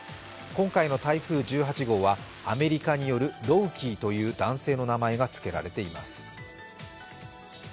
今回の台風１８号はアメリカによるロウキーという男性の名前が付けられています。